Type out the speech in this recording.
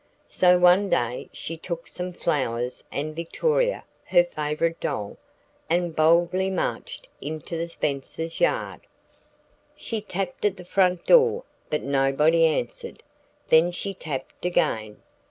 So, one day she took some flowers and Victoria, her favorite doll, and boldly marched into the Spensers' yard. She tapped at the front door, but nobody answered. Then she tapped again.